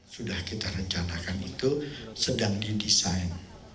sudah kita rencanakan itu sedang didesain